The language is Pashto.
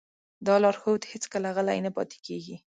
دا لارښود هېڅکله غلی نه پاتې کېږي.